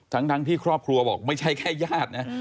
ทั้งที่ครอบครัวบอกไม่ใช่แค่ญาตินะ